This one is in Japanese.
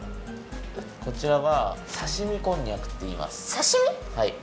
こちらはさしみこんにゃくっていいます。